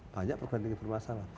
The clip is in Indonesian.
banyak perguruan tinggi bermasalah